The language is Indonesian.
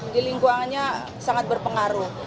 di lingkungannya sangat berpengaruh